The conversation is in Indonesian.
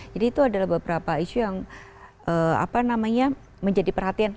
jadi itu adalah beberapa isu yang apa namanya menjadi perhatian